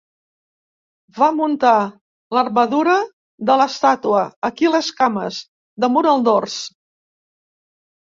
Va muntar l'armadura de l'estàtua, aquí les cames, damunt el dors